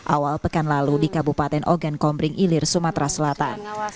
awal pekan lalu di kabupaten ogan kompring ilir sumatera selatan